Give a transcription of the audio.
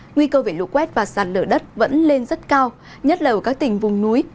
nguy cơ về lũ quét và sàn lở đất vẫn lên rất cao nhất là ở các tỉnh vùng núi